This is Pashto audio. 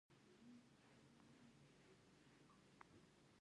افغانستان کې چار مغز د خلکو د خوښې وړ ځای دی.